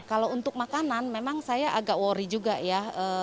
kalau untuk makanan memang saya agak worry juga ya